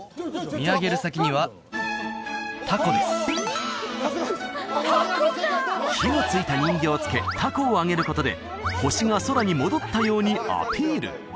見上げる先には凧です火のついた人形をつけ凧を揚げることで星が空に戻ったようにアピール